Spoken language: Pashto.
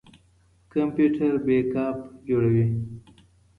کمپيوټر بیک اپ جوړوي.